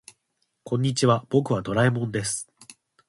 こんにちは、僕はドラえもんです。